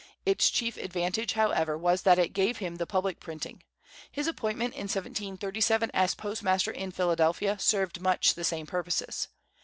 Its chief advantage, however, was that it gave him the public printing. His appointment in 1737 as postmaster in Philadelphia served much the same purposes.